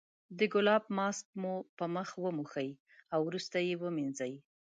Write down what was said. د ګلاب ماسک مو په مخ وموښئ او وروسته یې ومینځئ.